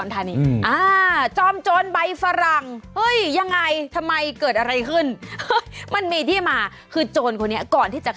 ที่จังหวัดอุดอลธารณี